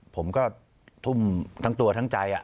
ผมก็ทุ่มทั้งตัวทั้งใจ